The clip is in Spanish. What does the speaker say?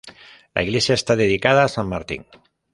La iglesia está dedicada a san Martín.